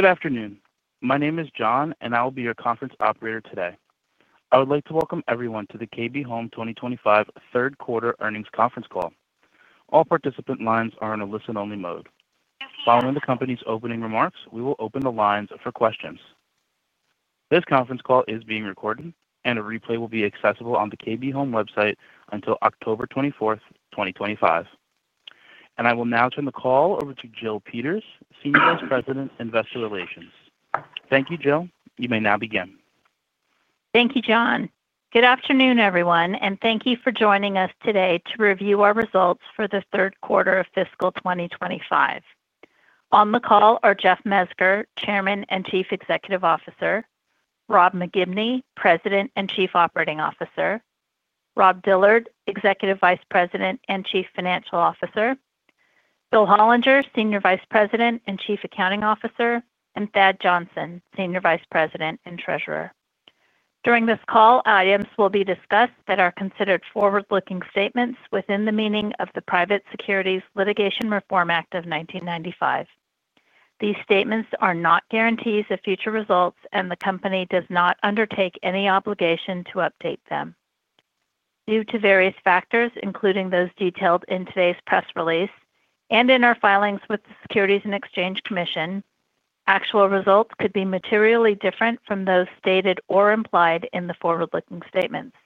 Good afternoon. My name is John, and I will be your conference operator today. I would like to welcome everyone to the KB Home 2025 Third Quarter Earnings Conference Call. All participant lines are in a listen-only mode. Following the company's opening remarks, we will open the lines for questions. This conference call is being recorded, and a replay will be accessible on the KB Home website until October 24, 2025. I will now turn the call over to Jill Peters, Senior Vice President, Investor Relations. Thank you, Jill. You may now begin. Thank you, John. Good afternoon, everyone, and thank you for joining us today to review our results for the Third Quarter of Fiscal 2025. On the call are Jeff Mezger, Chairman and Chief Executive Officer; Rob McGibney, President and Chief Operating Officer; Rob Dillard, Executive Vice President and Chief Financial Officer; Bill Hollinger, Senior Vice President and Chief Accounting Officer; and Thad Johnson, Senior Vice President and Treasurer. During this call, items will be discussed that are considered forward-looking statements within the meaning of the Private Securities Litigation Reform Act of 1995. These statements are not guarantees of future results, and the company does not undertake any obligation to update them. Due to various factors, including those detailed in today's press release and in our filings with the Securities and Exchange Commission, actual results could be materially different from those stated or implied in the forward-looking statements.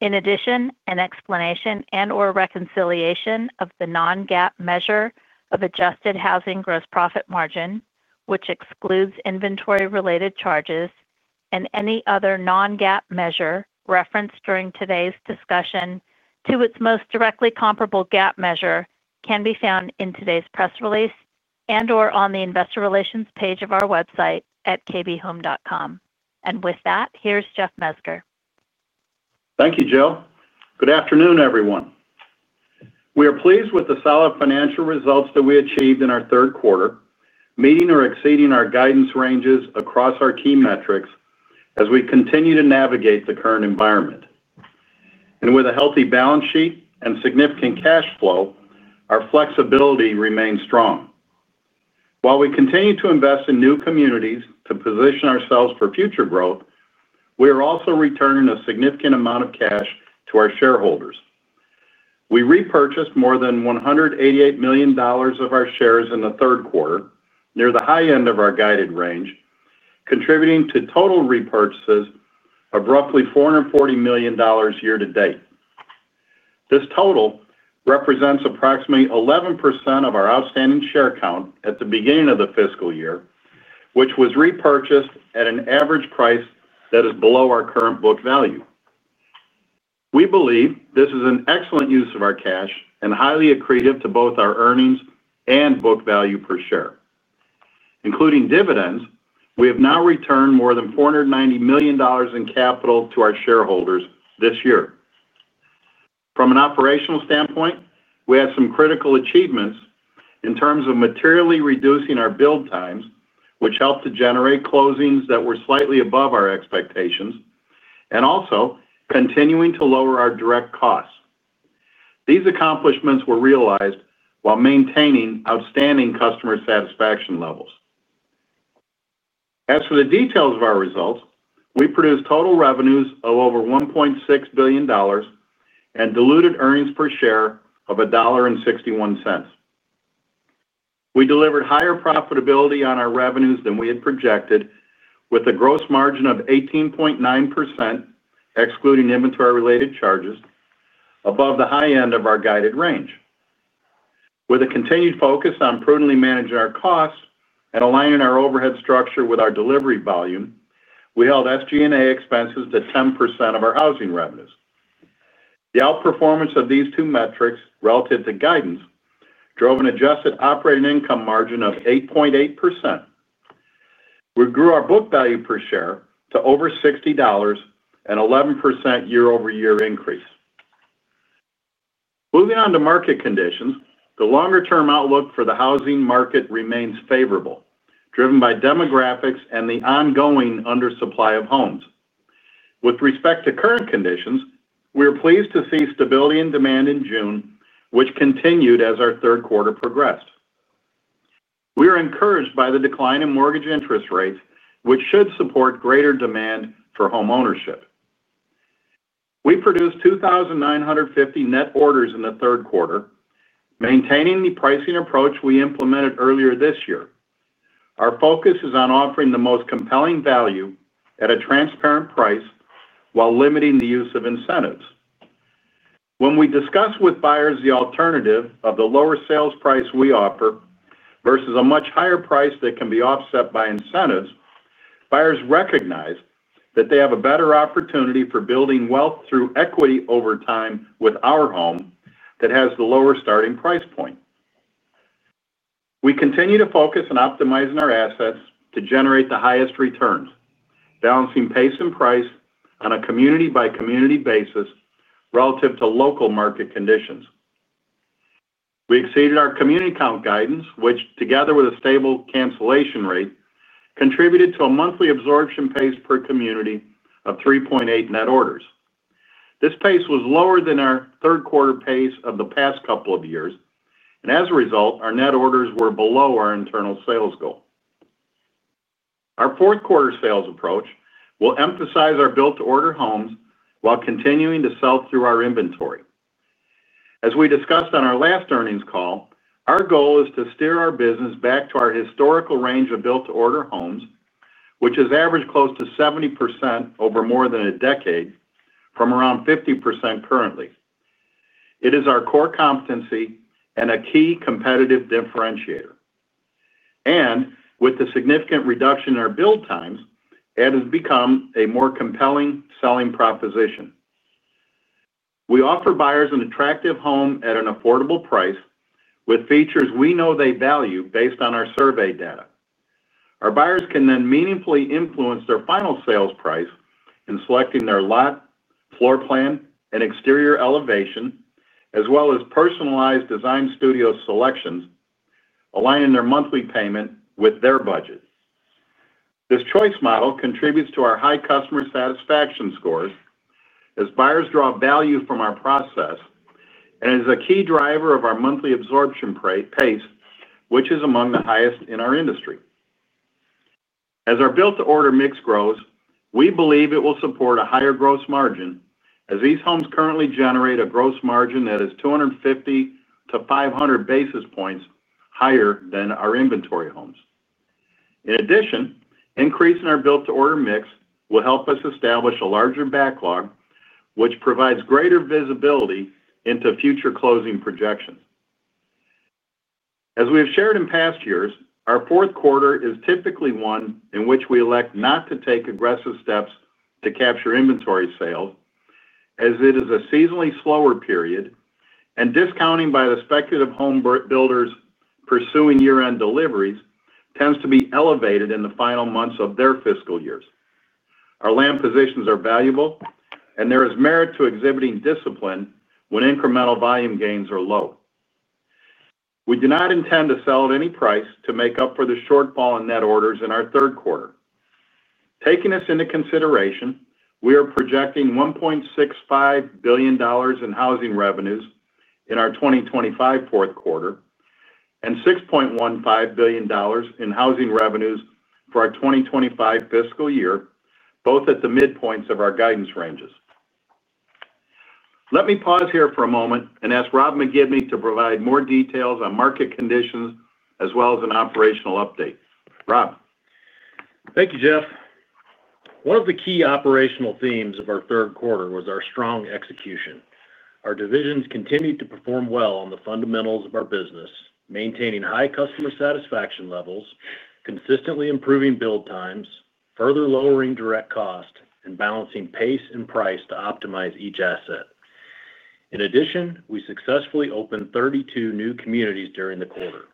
In addition, an explanation and/or reconciliation of the non-GAAP measure of adjusted housing gross profit margin, which excludes inventory-related charges, and any other non-GAAP measure referenced during today's discussion to its most directly comparable GAAP measure can be found in today's press release and/or on the Investor Relations page of our website at KBHome.com. With that, here's Jeff Mezger. Thank you, Jill. Good afternoon, everyone. We are pleased with the solid financial results that we achieved in our third quarter, meeting or exceeding our guidance ranges across our key metrics as we continue to navigate the current environment. With a healthy balance sheet and significant cash flow, our flexibility remains strong. While we continue to invest in new communities to position ourselves for future growth, we are also returning a significant amount of cash to our shareholders. We repurchased more than $188 million of our shares in the third quarter, near the high end of our guided range, contributing to total repurchases of roughly $440 million year to date. This total represents approximately 11% of our outstanding share count at the beginning of the fiscal year, which was repurchased at an average price that is below our current book value. We believe this is an excellent use of our cash and highly accretive to both our earnings and book value per share. Including dividends, we have now returned more than $490 million in capital to our shareholders this year. From an operational standpoint, we had some critical achievements in terms of materially reducing our build times, which helped to generate closings that were slightly above our expectations, and also continuing to lower our direct costs. These accomplishments were realized while maintaining outstanding customer satisfaction levels. As for the details of our results, we produced total revenues of over $1.6 billion and diluted earnings per share of $1.61. We delivered higher profitability on our revenues than we had projected, with a gross margin of 18.9%, excluding inventory-related charges, above the high end of our guided range. With a continued focus on prudently managing our costs and aligning our overhead structure with our delivery volume, we held SG&A expenses at 10% of our housing revenues. The outperformance of these two metrics relative to guidance drove an adjusted operating income margin of 8.8%. We grew our book value per share to over $60, an 11% year-over-year increase. Moving on to market conditions, the longer-term outlook for the housing market remains favorable, driven by demographics and the ongoing undersupply of homes. With respect to current conditions, we are pleased to see stability in demand in June, which continued as our third quarter progressed. We are encouraged by the decline in mortgage interest rates, which should support greater demand for homeownership. We produced 2,950 net orders in the third quarter, maintaining the pricing approach we implemented earlier this year. Our focus is on offering the most compelling value at a transparent price while limiting the use of incentives. When we discuss with buyers the alternative of the lower sales price we offer versus a much higher price that can be offset by incentives, buyers recognize that they have a better opportunity for building wealth through equity over time with our home that has the lower starting price point. We continue to focus on optimizing our assets to generate the highest returns, balancing pace and price on a community-by-community basis relative to local market conditions. We exceeded our community count guidance, which, together with a stable cancellation rate, contributed to a monthly absorption pace per community of 3.8 net orders. This pace was lower than our third quarter pace of the past couple of years, and as a result, our net orders were below our internal sales goal. Our fourth quarter sales approach will emphasize our built-to-order homes while continuing to sell through our inventory. As we discussed on our last earnings call, our goal is to steer our business back to our historical range of built-to-order homes, which has averaged close to 70% over more than a decade, from around 50% currently. It is our core competency and a key competitive differentiator. With the significant reduction in our build times, it has become a more compelling selling proposition. We offer buyers an attractive home at an affordable price with features we know they value based on our survey data. Our buyers can then meaningfully influence their final sales price in selecting their lot, floor plan, and exterior elevation, as well as personalized design studio selections, aligning their monthly payment with their budget. This choice model contributes to our high customer satisfaction scores as buyers draw value from our process and is a key driver of our monthly absorption pace, which is among the highest in our industry. As our built-to-order mix grows, we believe it will support a higher gross margin as these homes currently generate a gross margin that is 250 basis points-500 basis points higher than our inventory homes. In addition, increasing our built-to-order mix will help us establish a larger backlog, which provides greater visibility into future closing projections. As we have shared in past years, our fourth quarter is typically one in which we elect not to take aggressive steps to capture inventory sales, as it is a seasonally slower period, and discounting by the speculative home builders pursuing year-end deliveries tends to be elevated in the final months of their fiscal years. Our land positions are valuable, and there is merit to exhibiting discipline when incremental volume gains are low. We do not intend to sell at any price to make up for the shortfall in net orders in our third quarter. Taking this into consideration, we are projecting $1.65 billion in housing revenues in our 2025 fourth quarter and $6.15 billion in housing revenues for our 2025 fiscal year, both at the midpoints of our guidance ranges. Let me pause here for a moment and ask Rob McGibney to provide more details on market conditions, as well as an operational update. Rob. Thank you, Jeff. One of the key operational themes of our third quarter was our strong execution. Our divisions continued to perform well on the fundamentals of our business, maintaining high customer satisfaction levels, consistently improving build times, further lowering direct cost, and balancing pace and price to optimize each asset. In addition, we successfully opened 32 new communities during the quarter.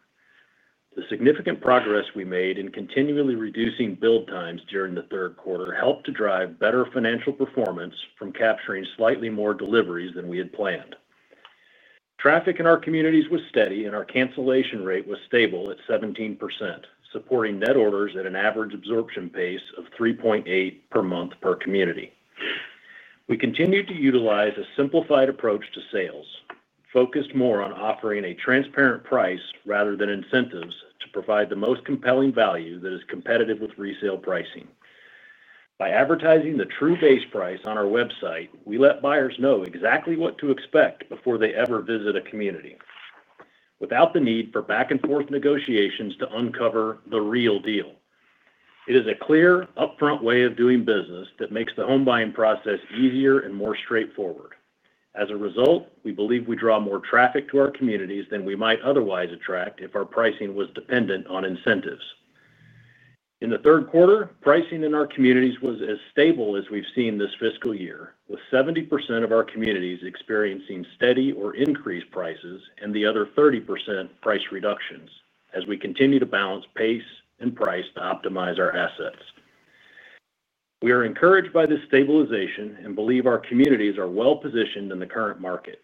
The significant progress we made in continually reducing build times during the third quarter helped to drive better financial performance from capturing slightly more deliveries than we had planned. Traffic in our communities was steady, and our cancellation rate was stable at 17%, supporting net orders at an average absorption pace of 3.8/month per community. We continued to utilize a simplified approach to sales, focused more on offering a transparent price rather than incentives to provide the most compelling value that is competitive with resale pricing. By advertising the true base price on our website, we let buyers know exactly what to expect before they ever visit a community, without the need for back-and-forth negotiations to uncover the real deal. It is a clear, upfront way of doing business that makes the home buying process easier and more straightforward. As a result, we believe we draw more traffic to our communities than we might otherwise attract if our pricing was dependent on incentives. In the third quarter, pricing in our communities was as stable as we've seen this fiscal year, with 70% of our communities experiencing steady or increased prices and the other 30% price reductions, as we continue to balance pace and price to optimize our assets. We are encouraged by this stabilization and believe our communities are well positioned in the current market.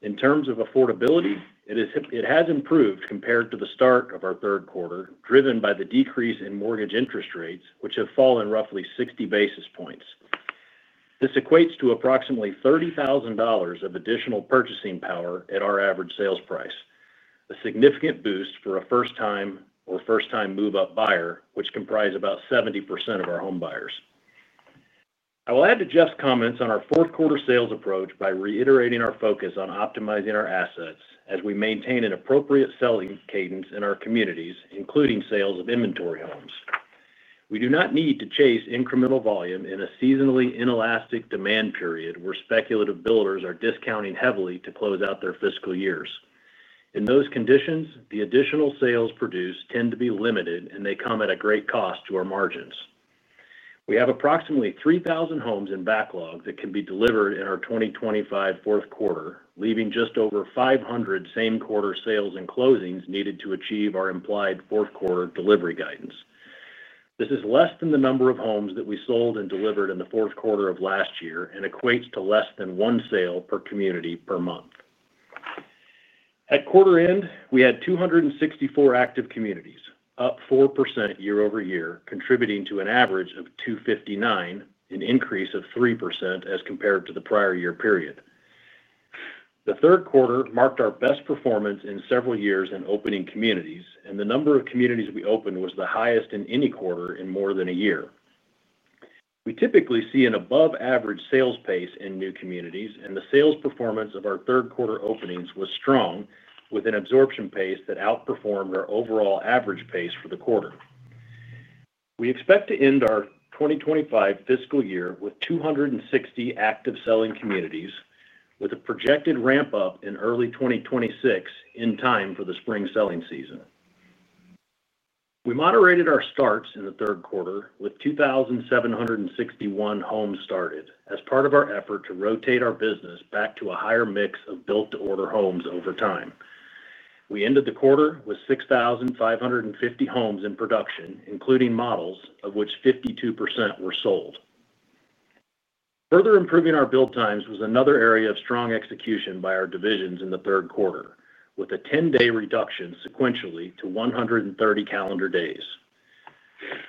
In terms of affordability, it has improved compared to the start of our third quarter, driven by the decrease in mortgage interest rates, which have fallen roughly 60 basis points. This equates to approximately $30,000 of additional purchasing power at our average sales price, a significant boost for a first-time or first-time move-up buyer, which comprise about 70% of our home buyers. I will add to Jeff's comments on our fourth quarter sales approach by reiterating our focus on optimizing our assets as we maintain an appropriate selling cadence in our communities, including sales of inventory homes. We do not need to chase incremental volume in a seasonally inelastic demand period where speculative builders are discounting heavily to close out their fiscal years. In those conditions, the additional sales produced tend to be limited, and they come at a great cost to our margins. We have approximately 3,000 homes in backlog that can be delivered in our 2025 fourth quarter, leaving just over 500 same quarter sales and closings needed to achieve our implied fourth quarter delivery guidance. This is less than the number of homes that we sold and delivered in the fourth quarter of last year and equates to less than one sale per community per month. At quarter end, we had 264 active communities, up 4% year-over-year, contributing to an average of 259, an increase of 3% as compared to the prior year period. The third quarter marked our best performance in several years in opening communities, and the number of communities we opened was the highest in any quarter in more than a year. We typically see an above-average sales pace in new communities, and the sales performance of our third quarter openings was strong, with an absorption pace that outperformed our overall average pace for the quarter. We expect to end our 2025 fiscal year with 260 active selling communities, with a projected ramp-up in early 2026, in time for the spring selling season. We moderated our starts in the third quarter with 2,761 homes started as part of our effort to rotate our business back to a higher mix of built-to-order homes over time. We ended the quarter with 6,550 homes in production, including models of which 52% were sold. Further improving our build times was another area of strong execution by our divisions in the third quarter, with a 10-day reduction sequentially to 130 calendar days.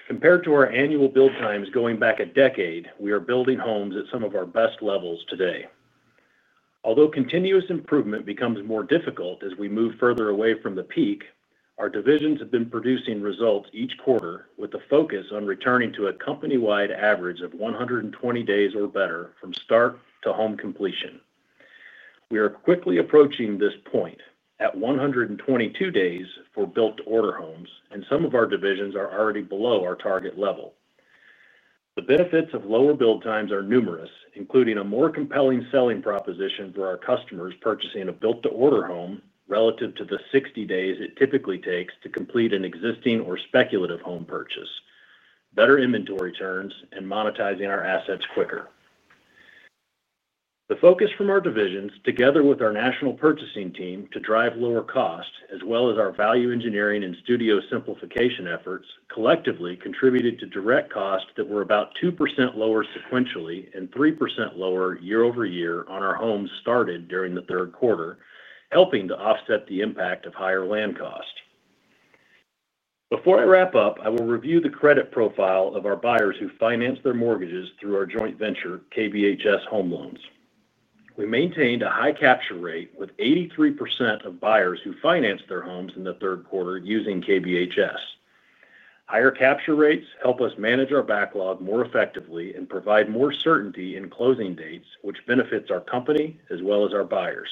Compared to our annual build times going back a decade, we are building homes at some of our best levels today. Although continuous improvement becomes more difficult as we move further away from the peak, our divisions have been producing results each quarter with a focus on returning to a company-wide average of 120 days or better from start to home completion. We are quickly approaching this point at 122 days for built-to-order homes, and some of our divisions are already below our target level. The benefits of lower build times are numerous, including a more compelling selling proposition for our customers purchasing a built-to-order home relative to the 60 days it typically takes to complete an existing or speculative home purchase, better inventory turns, and monetizing our assets quicker. The focus from our divisions, together with our national purchasing team to drive lower cost, as well as our value engineering and studio simplification efforts, collectively contributed to direct costs that were about 2% lower sequentially and 3% lower year-over-year on our homes started during the third quarter, helping to offset the impact of higher land costs. Before I wrap up, I will review the credit profile of our buyers who financed their mortgages through our joint venture, KBHS Home Loans. We maintained a high capture rate with 83% of buyers who financed their homes in the third quarter using KBHS. Higher capture rates help us manage our backlog more effectively and provide more certainty in closing dates, which benefits our company as well as our buyers.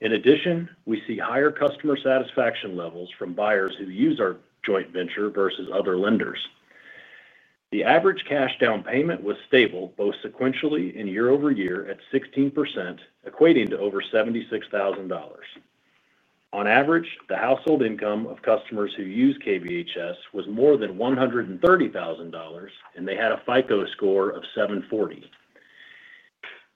In addition, we see higher customer satisfaction levels from buyers who use our joint venture versus other lenders. The average cash down payment was stable both sequentially and year over year at 16%, equating to over $76,000. On average, the household income of customers who use KBHS was more than $130,000, and they had a FICO score of 740.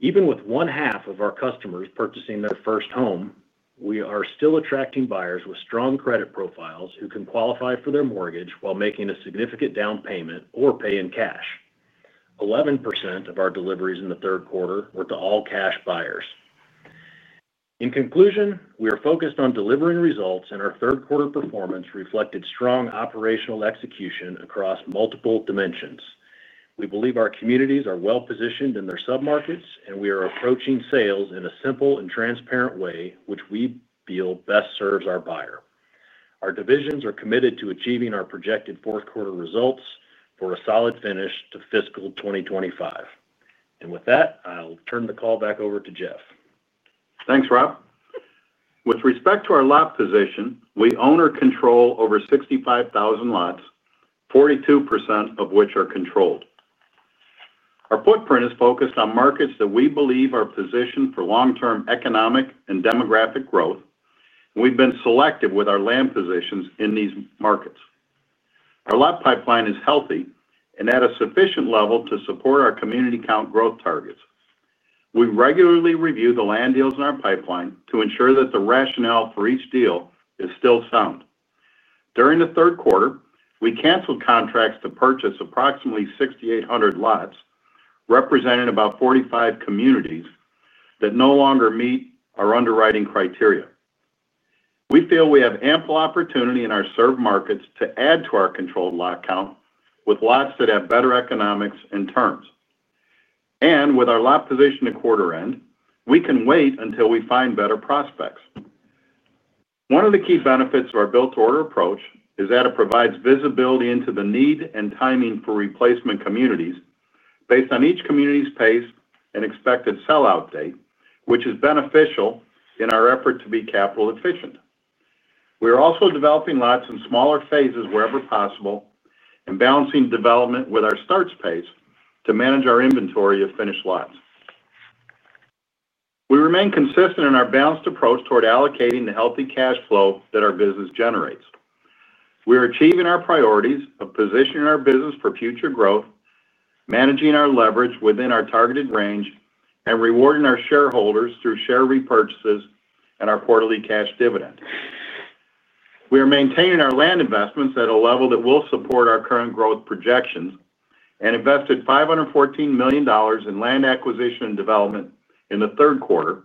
Even with one half of our customers purchasing their first home, we are still attracting buyers with strong credit profiles who can qualify for their mortgage while making a significant down payment or pay in cash. 11% of our deliveries in the third quarter were to all cash buyers. In conclusion, we are focused on delivering results, and our third quarter performance reflected strong operational execution across multiple dimensions. We believe our communities are well positioned in their submarkets, and we are approaching sales in a simple and transparent way, which we feel best serves our buyer. Our divisions are committed to achieving our projected fourth quarter results for a solid finish to fiscal 2025. With that, I'll turn the call back over to Jeff. Thanks, Rob. With respect to our lot position, we own or control over 65,000 lots, 42% of which are controlled. Our footprint is focused on markets that we believe are positioned for long-term economic and demographic growth, and we've been selective with our land positions in these markets. Our lot pipeline is healthy and at a sufficient level to support our community count growth targets. We regularly review the land deals in our pipeline to ensure that the rationale for each deal is still sound. During the third quarter, we canceled contracts to purchase approximately 6,800 lots, representing about 45 communities that no longer meet our underwriting criteria. We feel we have ample opportunity in our served markets to add to our controlled lot count with lots that have better economics and terms. With our lot position at quarter end, we can wait until we find better prospects. One of the key benefits of our built-to-order approach is that it provides visibility into the need and timing for replacement communities based on each community's pace and expected sellout date, which is beneficial in our effort to be capital efficient. We are also developing lots in smaller phases wherever possible and balancing development with our starts pace to manage our inventory of finished lots. We remain consistent in our balanced approach toward allocating the healthy cash flow that our business generates. We are achieving our priorities of positioning our business for future growth, managing our leverage within our targeted range, and rewarding our shareholders through share repurchases and our quarterly cash dividend. We are maintaining our land investments at a level that will support our current growth projections and invested $514 million in land acquisition and development in the third quarter,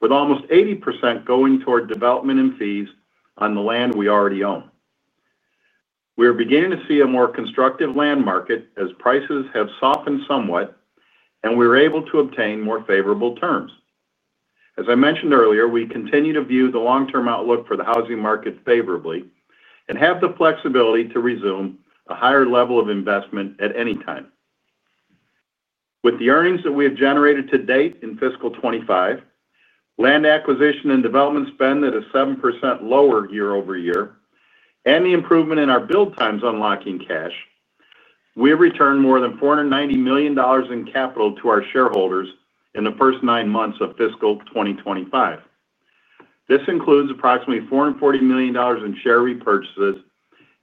with almost 80% going toward development and fees on the land we already own. We are beginning to see a more constructive land market as prices have softened somewhat, and we were able to obtain more favorable terms. As I mentioned earlier, we continue to view the long-term outlook for the housing market favorably and have the flexibility to resume a higher level of investment at any time. With the earnings that we have generated to date in fiscal 2025, land acquisition and development spend at a 7% lower year-over-year, and the improvement in our build times unlocking cash, we have returned more than $490 million in capital to our shareholders in the first nine months of fiscal 2025. This includes approximately $440 million in share repurchases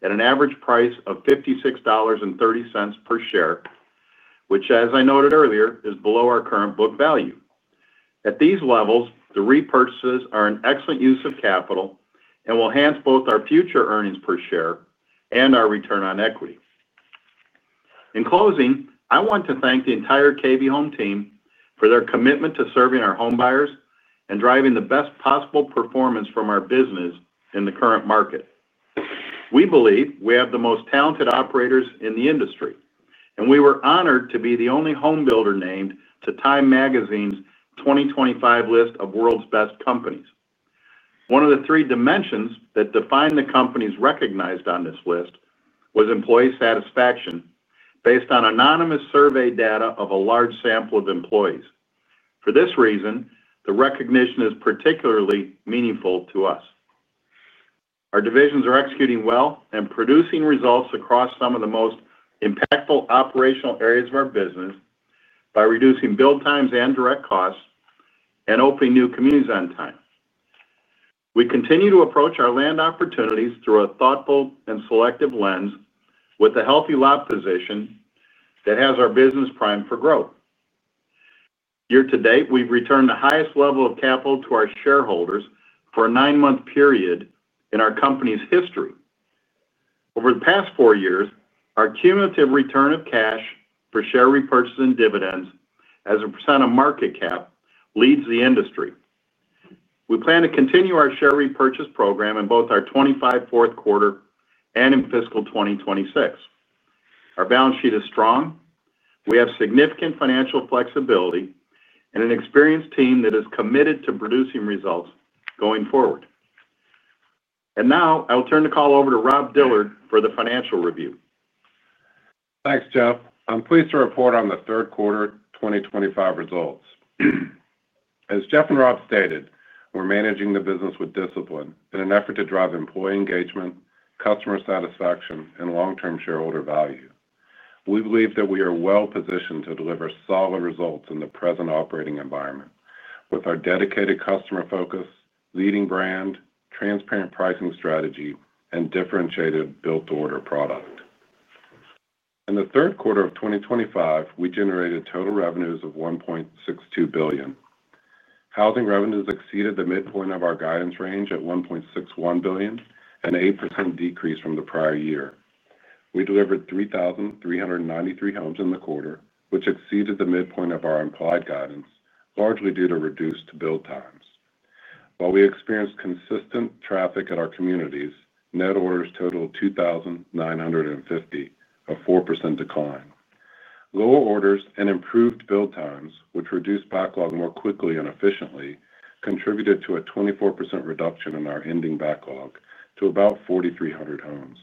at an average price of $56.30/share, which, as I noted earlier, is below our current book value. At these levels, the repurchases are an excellent use of capital and will enhance both our future earnings per share and our return on equity. In closing, I want to thank the entire KB Home team for their commitment to serving our home buyers and driving the best possible performance from our business in the current market. We believe we have the most talented operators in the industry, and we were honored to be the only home builder named to Time Magazine's 2025 list of world's best companies. One of the three dimensions that defined the companies recognized on this list was employee satisfaction based on anonymous survey data of a large sample of employees. For this reason, the recognition is particularly meaningful to us. Our divisions are executing well and producing results across some of the most impactful operational areas of our business by reducing build times and direct costs and opening new communities on time. We continue to approach our land opportunities through a thoughtful and selective lens with a healthy lot position that has our business primed for growth. Year to date, we've returned the highest level of capital to our shareholders for a nine-month period in our company's history. Over the past four years, our cumulative return of cash for share repurchase and dividends as a percent of market cap leads the industry. We plan to continue our share repurchase program in both our 2025 fourth quarter and in fiscal 2026. Our balance sheet is strong. We have significant financial flexibility and an experienced team that is committed to producing results going forward. Now I'll turn the call over to Rob Dillard for the financial review. Thanks, Jeff. I'm pleased to report on the third quarter 2025 results. As Jeff and Rob stated, we're managing the business with discipline in an effort to drive employee engagement, customer satisfaction, and long-term shareholder value. We believe that we are well positioned to deliver solid results in the present operating environment with our dedicated customer focus, leading brand, transparent pricing strategy, and differentiated built-to-order product. In the third quarter of 2025, we generated total revenues of $1.62 billion. Housing revenues exceeded the midpoint of our guidance range at $1.61 billion, an 8% decrease from the prior year. We delivered 3,393 homes in the quarter, which exceeded the midpoint of our implied guidance, largely due to reduced build times. While we experienced consistent traffic at our communities, net orders totaled 2,950, a 4% decline. Lower orders and improved build times, which reduced backlog more quickly and efficiently, contributed to a 24% reduction in our ending backlog to about 4,300 homes.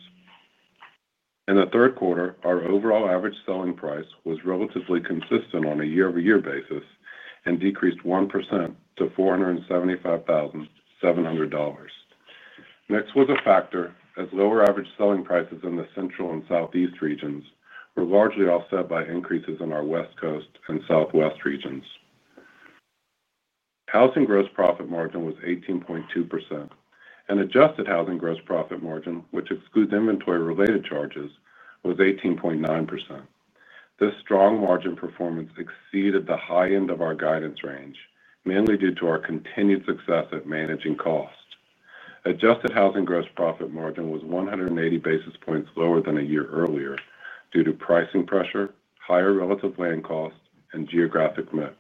In the third quarter, our overall average selling price was relatively consistent on a year-over-year basis and decreased 1% to $475,700. This was a factor as lower average selling prices in the central and southeast regions were largely offset by increases in our west coast and southwest regions. Housing gross profit margin was 18.2%, and adjusted housing gross profit margin, which excludes inventory-related charges, was 18.9%. This strong margin performance exceeded the high end of our guidance range, mainly due to our continued success at managing costs. Adjusted housing gross profit margin was 180 basis points lower than a year earlier due to pricing pressure, higher relative land costs, and geographic mix,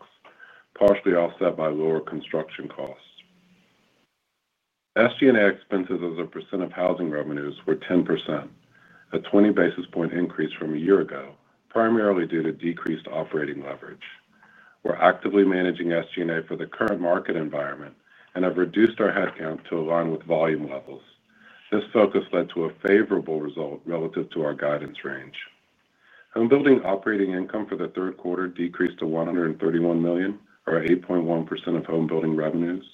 partially offset by lower construction costs. SG&A expenses as a percent of housing revenues were 10%, a 20 basis point increase from a year ago, primarily due to decreased operating leverage. We are actively managing SG&A for the current market environment and have reduced our headcount to align with volume levels. This focus led to a favorable result relative to our guidance range. Home building operating income for the third quarter decreased to $131 million, or 8.1% of home building revenues,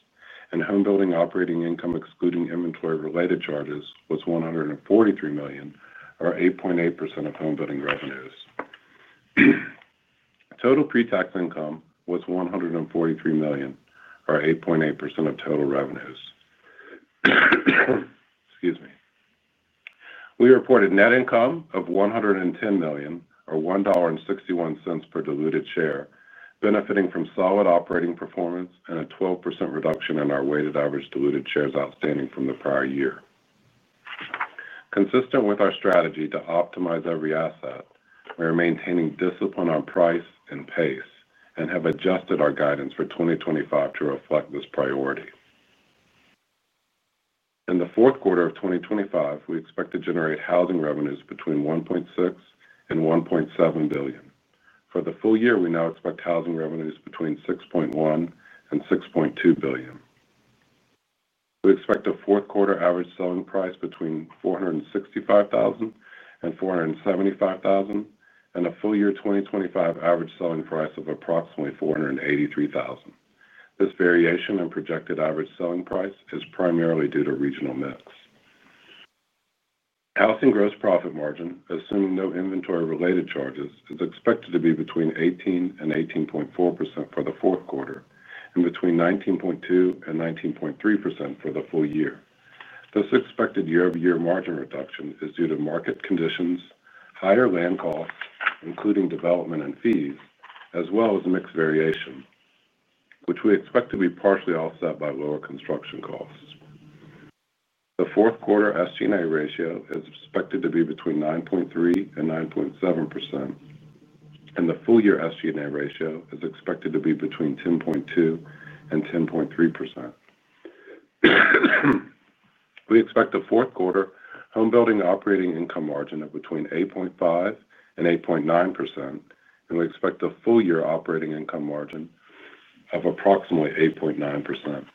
and home building operating income, excluding inventory-related charges, was $143 million, or 8.8% of home building revenues. Total pre-tax income was $143 million, or 8.8% of total revenues. We reported net income of $110 million, or $1.61/diluted share, benefiting from solid operating performance and a 12% reduction in our weighted average diluted shares outstanding from the prior year. Consistent with our strategy to optimize every asset, we are maintaining discipline on price and pace and have adjusted our guidance for 2025 to reflect this priority. In the fourth quarter of 2025, we expect to generate housing revenues between $1.6 billion and $1.7 billion. For the full year, we now expect housing revenues between $6.1 billion and $6.2 billion. We expect a fourth quarter average selling price between $465,000 and $475,000 and a full year 2025 average selling price of approximately $483,000. This variation in projected average selling price is primarily due to regional mix. Housing gross profit margin, assuming no inventory-related charges, is expected to be between 18% and 18.4% for the fourth quarter and between 19.2% and 19.3% for the full year. This expected year-over-year margin reduction is due to market conditions, higher land costs, including development and fees, as well as mix variation, which we expect to be partially offset by lower construction costs. The fourth quarter SG&A ratio is expected to be between 9.3% and 9.7%, and the full year SG&A ratio is expected to be between 10.2% and 10.3%. We expect the fourth quarter home building operating income margin of between 8.5% and 8.9%, and we expect the full year operating income margin of approximately 8.9%.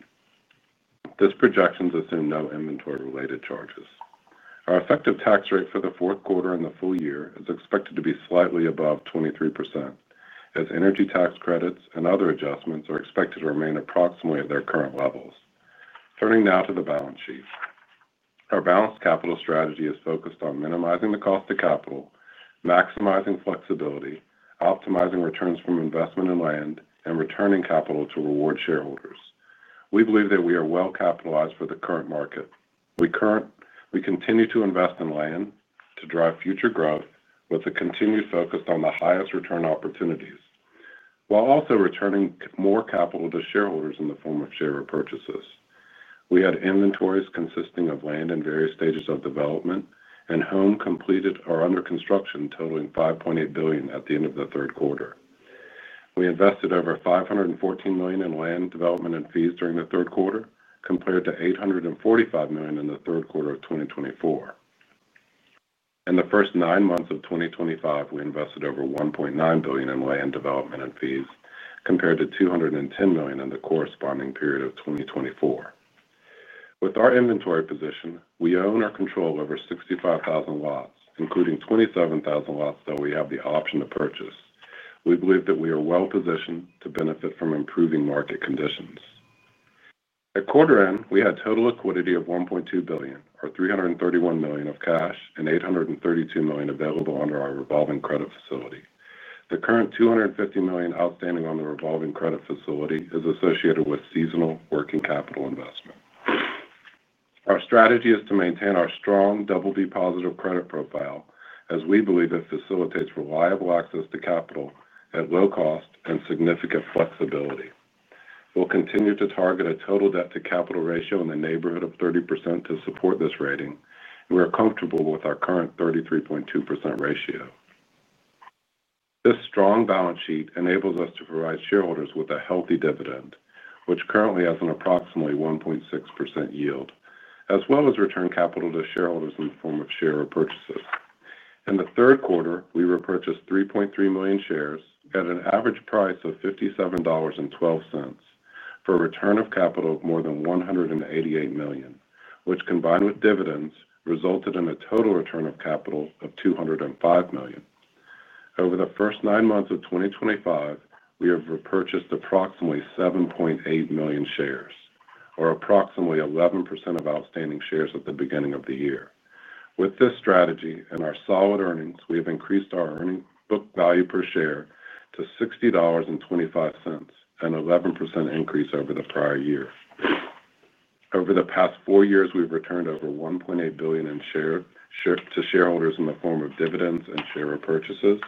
This projection is assuming no inventory-related charges. Our effective tax rate for the fourth quarter and the full year is expected to be slightly above 23%, as energy tax credits and other adjustments are expected to remain approximately at their current levels. Turning now to the balance sheet. Our balanced capital strategy is focused on minimizing the cost of capital, maximizing flexibility, optimizing returns from investment in land, and returning capital to reward shareholders. We believe that we are well capitalized for the current market. We continue to invest in land to drive future growth with a continued focus on the highest return opportunities, while also returning more capital to shareholders in the form of share repurchases. We had inventories consisting of land in various stages of development, and homes completed or under construction totaling $5.8 billion at the end of the third quarter. We invested over $514 million in land development and fees during the third quarter, compared to $845 million in the third quarter of 2024. In the first nine months of 2025, we invested over $1.9 billion in land development and fees, compared to $210 million in the corresponding period of 2024. With our inventory position, we own or control over 65,000 lots, including 27,000 lots that we have the option to purchase. We believe that we are well positioned to benefit from improving market conditions. At quarter end, we had total liquidity of $1.2 billion, or $331 million of cash and $832 million available under our revolving credit facility. The current $250 million outstanding on the revolving credit facility is associated with seasonal working capital investment. Our strategy is to maintain our strong double B positive credit profile, as we believe it facilitates reliable access to capital at low cost and significant flexibility. We will continue to target a total debt to capital ratio in the neighborhood of 30% to support this rating, and we are comfortable with our current 33.2% ratio. This strong balance sheet enables us to provide shareholders with a healthy dividend, which currently has an approximately 1.6% yield, as well as return capital to shareholders in the form of share repurchases. In the third quarter, we repurchased 3.3 million shares at an average price of $57.12 for a return of capital of more than $188 million, which combined with dividends resulted in a total return of capital of $205 million. Over the first nine months of 2025, we have repurchased approximately 7.8 million shares, or approximately 11% of outstanding shares at the beginning of the year. With this strategy and our solid earnings, we have increased our earning book value per share to $60.25, an 11% increase over the prior year. Over the past four years, we've returned over $1.8 billion in share to shareholders in the form of dividends and share repurchases.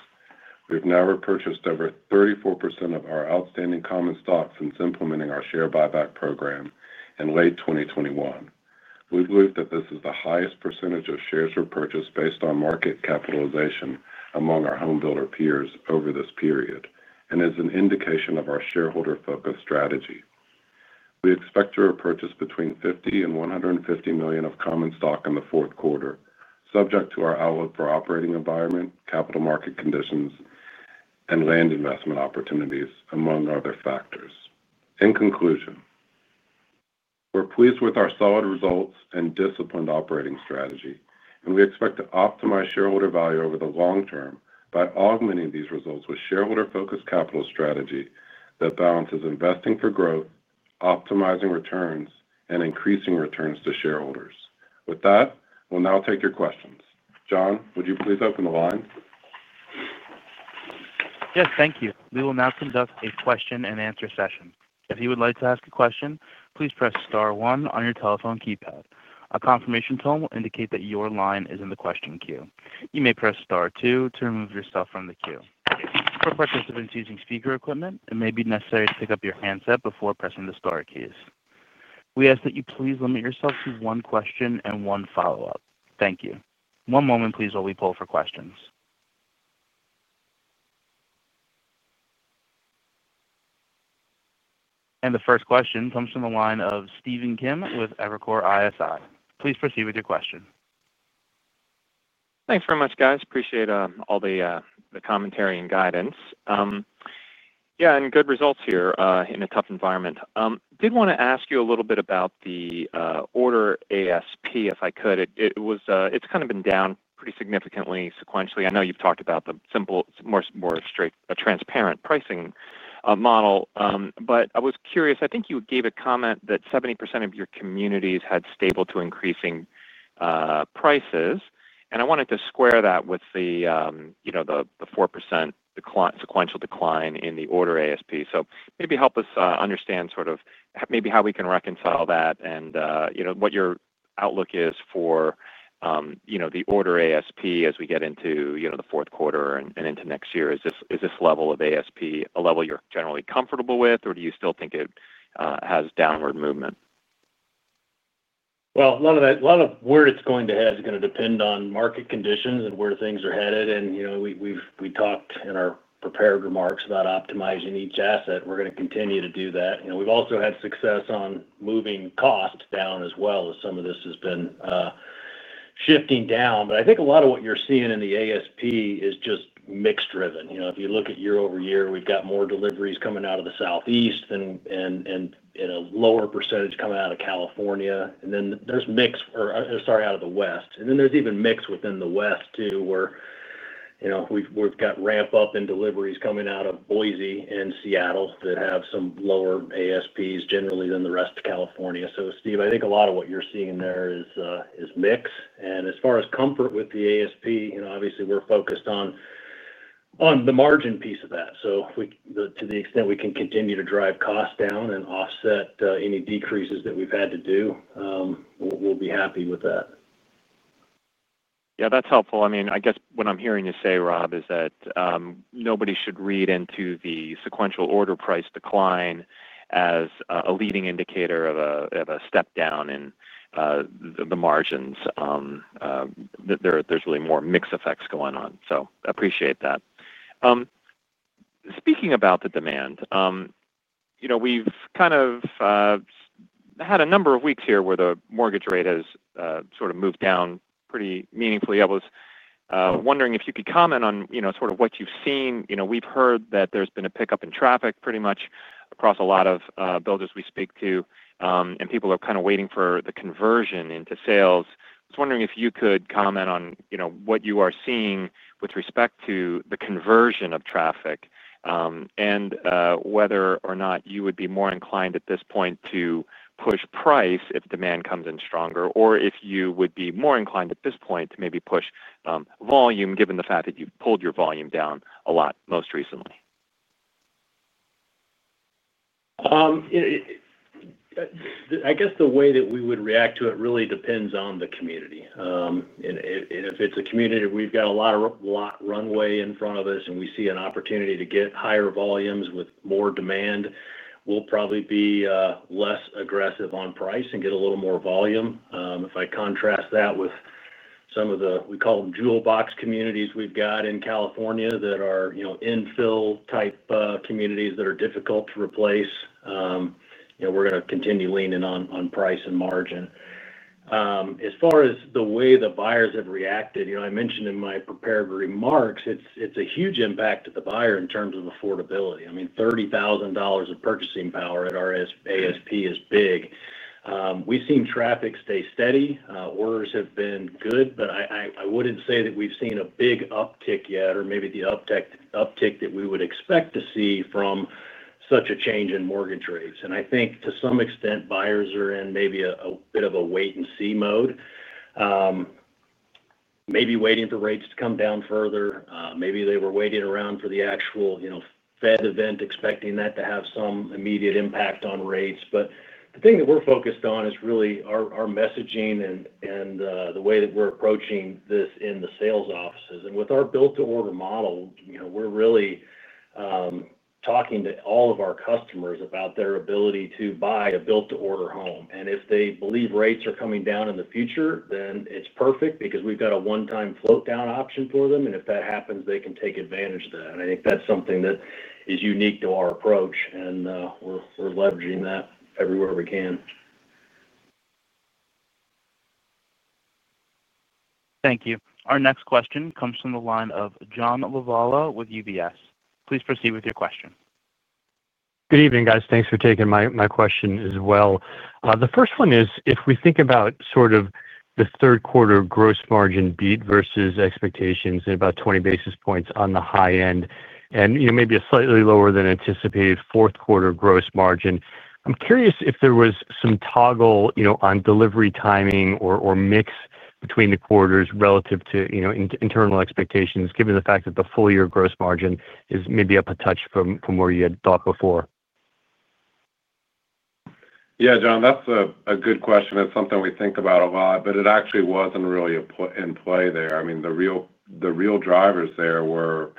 We've now repurchased over 34% of our outstanding common stock since implementing our share repurchase program in late 2021. We believe that this is the highest percentage of shares repurchased based on market capitalization among our homebuilder peers over this period and is an indication of our shareholder-focused strategy. We expect to repurchase between $50 million and $150 million of common stock in the fourth quarter, subject to our outlook for operating environment, capital market conditions, and land investment opportunities, among other factors. In conclusion, we're pleased with our solid results and disciplined operating strategy, and we expect to optimize shareholder value over the long term by augmenting these results with shareholder-focused capital strategy that balances investing for growth, optimizing returns, and increasing returns to shareholders. With that, we'll now take your questions. John, would you please open the line? Yes, thank you. We will now conduct a question and answer session. If you would like to ask a question, please press star one on your telephone keypad. A confirmation tone will indicate that your line is in the question queue. You may press star two to remove yourself from the queue. For participants using speaker equipment, it may be necessary to pick up your handset before pressing the star keys. We ask that you please limit yourself to one question and one follow-up. Thank you. One moment, please, while we pull for questions. The first question comes from the line of Stephen Kim with Evercore ISI. Please proceed with your question. Thanks very much, guys. Appreciate all the commentary and guidance. Yeah, and good results here in a tough environment. I did want to ask you a little bit about the order ASP, if I could. It's kind of been down pretty significantly sequentially. I know you've talked about the simple, more straight, transparent pricing model, but I was curious. I think you gave a comment that 70% of your communities had stable to increasing prices, and I wanted to square that with the 4% sequential decline in the order ASP. Maybe help us understand sort of maybe how we can reconcile that and what your outlook is for the order ASP as we get into the fourth quarter and into next year. Is this level of ASP a level you're generally comfortable with, or do you still think it has downward movement? A lot of where it's going to head is going to depend on market conditions and where things are headed. We talked in our prepared remarks about optimizing each asset. We're going to continue to do that. We've also had success on moving cost down as well, as some of this has been shifting down. I think a lot of what you're seeing in the ASP is just mix-driven. If you look at year over year, we've got more deliveries coming out of the Southeast and a lower percentage coming out of California. There's mix, or, sorry, out of the West. There's even mix within the West too, where we've got ramp-up in deliveries coming out of Boise and Seattle that have some lower ASPs generally than the rest of California. Steve, I think a lot of what you're seeing there is mix. As far as comfort with the ASP, obviously we're focused on the margin piece of that. To the extent we can continue to drive costs down and offset any decreases that we've had to do, we'll be happy with that. Yeah, that's helpful. I mean, I guess what I'm hearing you say, Rob, is that nobody should read into the sequential order price decline as a leading indicator of a step down in the margins. There's really more mix effects going on. I appreciate that. Speaking about the demand, we've kind of had a number of weeks here where the mortgage rate has sort of moved down pretty meaningfully. I was wondering if you could comment on what you've seen. We've heard that there's been a pickup in traffic pretty much across a lot of builders we speak to, and people are kind of waiting for the conversion into sales. I was wondering if you could comment on what you are seeing with respect to the conversion of traffic and whether or not you would be more inclined at this point to push price if demand comes in stronger, or if you would be more inclined at this point to maybe push volume, given the fact that you've pulled your volume down a lot most recently. I guess the way that we would react to it really depends on the community. If it's a community that we've got a lot of runway in front of us and we see an opportunity to get higher volumes with more demand, we'll probably be less aggressive on price and get a little more volume. If I contrast that with some of the, we call them jewel box communities we've got in California that are infill type communities that are difficult to replace, we're going to continue leaning on price and margin. As far as the way the buyers have reacted, I mentioned in my prepared remarks, it's a huge impact to the buyer in terms of affordability. I mean, $30,000 of purchasing power at our ASP is big. We've seen traffic stay steady. Orders have been good, but I wouldn't say that we've seen a big uptick yet or maybe the uptick that we would expect to see from such a change in mortgage rates. I think to some extent, buyers are in maybe a bit of a wait-and-see mode, maybe waiting for rates to come down further. Maybe they were waiting around for the actual Fed event, expecting that to have some immediate impact on rates. The thing that we're focused on is really our messaging and the way that we're approaching this in the sales offices. With our built-to-order model, we're really talking to all of our customers about their ability to buy a built-to-order home. If they believe rates are coming down in the future, then it's perfect because we've got a one-time float-down option for them. If that happens, they can take advantage of that. I think that's something that is unique to our approach, and we're leveraging that everywhere we can. Thank you. Our next question comes from the line of John Lovallo with UBS. Please proceed with your question. Good evening, guys. Thanks for taking my question as well. The first one is, if we think about sort of the third quarter gross margin beat versus expectations at about 20 basis points on the high end and maybe a slightly lower than anticipated fourth quarter gross margin, I'm curious if there was some toggle on delivery timing or mix between the quarters relative to internal expectations, given the fact that the full year gross margin is maybe up a touch from where you had thought before. Yeah, John, that's a good question. That's something we think about a lot, but it actually wasn't really in play there. I mean, the real drivers there were,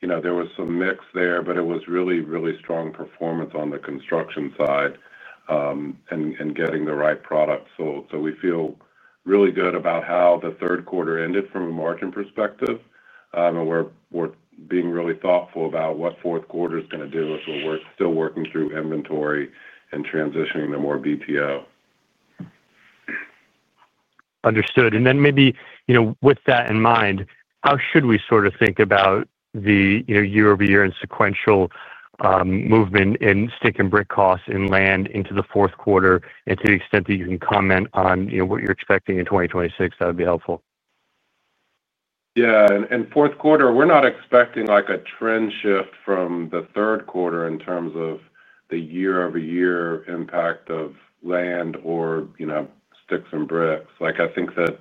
you know, there was some mix there, but it was really, really strong performance on the construction side and getting the right product. We feel really good about how the third quarter ended from a margin perspective, and we're being really thoughtful about what fourth quarter is going to do with what we're still working through inventory and transitioning to more BTO. Understood. Maybe, you know, with that in mind, how should we sort of think about the year-over-year and sequential movement in stick and brick costs in land into the fourth quarter? To the extent that you can comment on what you're expecting in 2026, that would be helpful. Yeah, in fourth quarter, we're not expecting a trend shift from the third quarter in terms of the year-over-year impact of land or sticks and bricks. I think that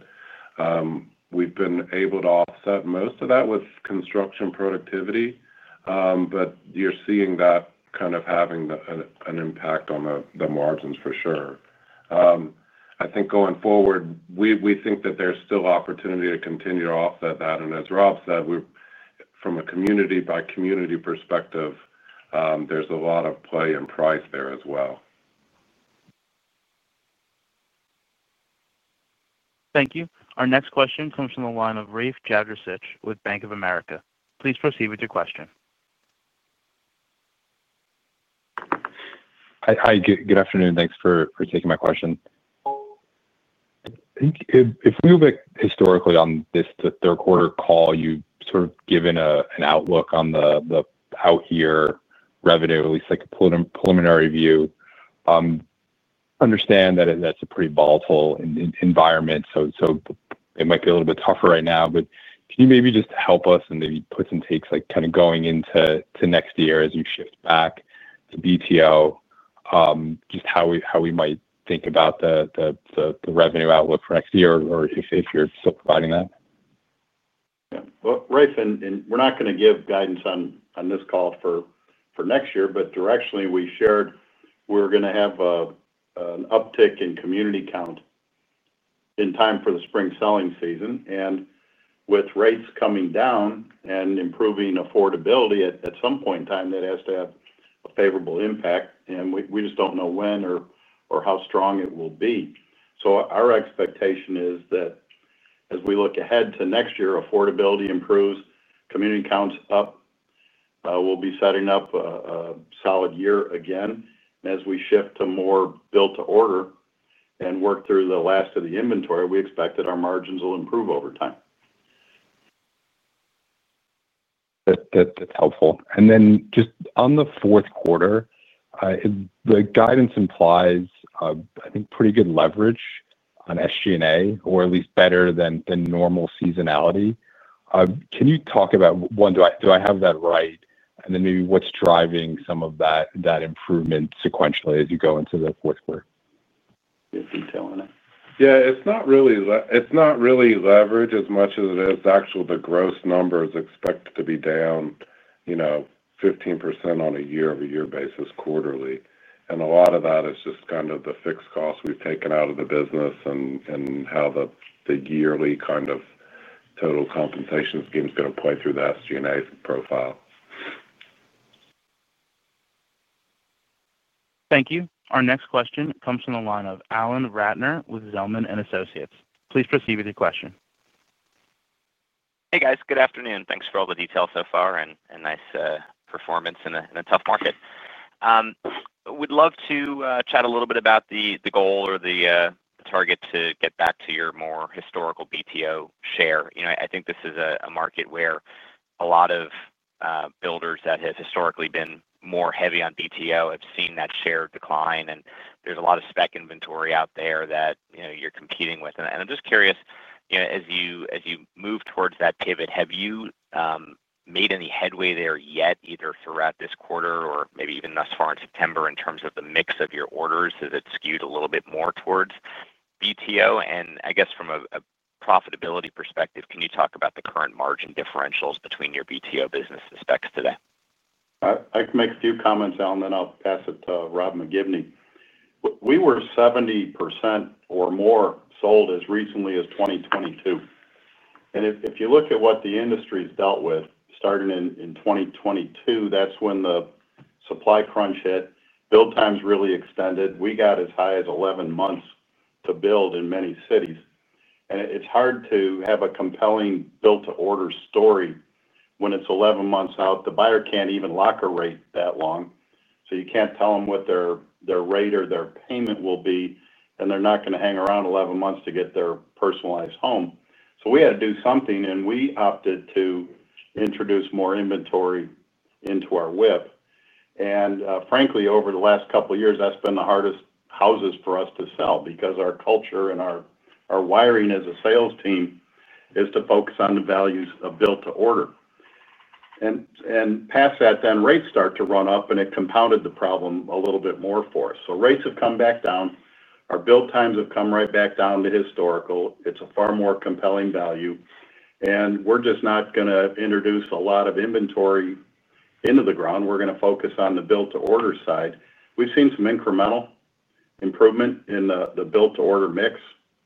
we've been able to offset most of that with construction productivity, but you're seeing that kind of having an impact on the margins for sure. I think going forward, we think that there's still opportunity to continue to offset that. As Rob said, from a community-by-community perspective, there's a lot of play in price there as well. Thank you. Our next question comes from the line of Rafe Jadrosich with Bank of America. Please proceed with your question. Hi, good afternoon. Thanks for taking my question. If we move back historically on this third quarter call, you've sort of given an outlook on the out-year revenue, at least like a preliminary view. I understand that that's a pretty volatile environment, so it might be a little bit tougher right now. Can you maybe just help us and maybe put some takes like kind of going into next year as you shift back to the built-to-order (BTO) model, just how we might think about the revenue outlook for next year, or if you're still providing that? Rafe, we're not going to give guidance on this call for next year, but directionally, we shared we're going to have an uptick in community count in time for the spring selling season. With rates coming down and improving affordability at some point in time, that has to have a favorable impact. We just don't know when or how strong it will be. Our expectation is that as we look ahead to next year, affordability improves, community count is up, we'll be setting up a solid year again. As we shift to more built-to-order and work through the last of the inventory, we expect that our margins will improve over time. That's helpful. Just on the fourth quarter, the guidance implies, I think, pretty good leverage on SG&A, or at least better than normal seasonality. Can you talk about, one, do I have that right? Maybe what's driving some of that improvement sequentially as you go into the fourth quarter? Yeah, it's not really leveraged as much as it is actually the gross numbers expected to be down 15% on a year-over-year basis quarterly. A lot of that is just kind of the fixed costs we've taken out of the business and how the yearly kind of total compensation scheme is going to play through that SG&A profile. Thank you. Our next question comes from the line of Alan Ratner with Zelman & Associates. Please proceed with your question. Hey guys, good afternoon. Thanks for all the details so far and nice performance in a tough market. We'd love to chat a little bit about the goal or the target to get back to your more historical BTO share. I think this is a market where a lot of builders that have historically been more heavy on BTO have seen that share decline, and there's a lot of spec inventory out there that you're competing with. I'm just curious, as you move towards that pivot, have you made any headway there yet, either throughout this quarter or maybe even thus far in September in terms of the mix of your orders that skewed a little bit more towards BTO? I guess from a profitability perspective, can you talk about the current margin differentials between your BTO business and spec today? I'd like to make a few comments, Alan, and then I'll pass it to Rob McGibney. We were 70% or more sold as recently as 2022. If you look at what the industry's dealt with, starting in 2022, that's when the supply crunch hit, build times really extended. We got as high as 11 months to build in many cities. It's hard to have a compelling build-to-order story when it's 11 months out. The buyer can't even lock a rate that long. You can't tell them what their rate or their payment will be, and they're not going to hang around 11 months to get their personalized home. We had to do something, and we opted to introduce more inventory into our whip. Frankly, over the last couple of years, that's been the hardest houses for us to sell because our culture and our wiring as a sales team is to focus on the values of build-to-order. Past that, rates start to run up, and it compounded the problem a little bit more for us. Rates have come back down. Our build times have come right back down to historical. It's a far more compelling value. We're just not going to introduce a lot of inventory into the ground. We're going to focus on the build-to-order side. We've seen some incremental improvement in the build-to-order mix.